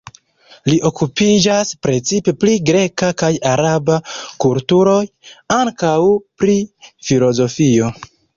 Li okupiĝas precipe pri greka kaj araba kulturoj, ankaŭ pri filozofio.